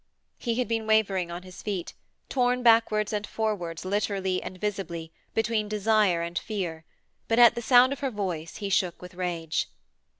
He had been wavering on his feet, torn backwards and forwards literally and visibly, between desire and fear, but at the sound of her voice he shook with rage.